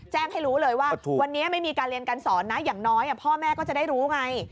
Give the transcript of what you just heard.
ให้รู้เลยว่าวันนี้ไม่มีการเรียนการสอนนะอย่างน้อยพ่อแม่ก็จะได้รู้ไง